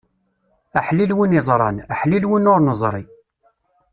Aḥlil win iẓran, aḥlil win ur neẓri.